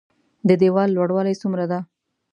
د ديوال لوړوالی څومره ده؟